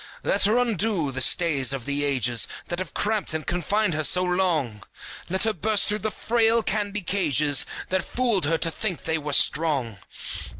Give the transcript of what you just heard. Let her undo the stays of the ages, That have cramped and confined her so long! Let her burst through the frail candy cages That fooled her to think they were strong!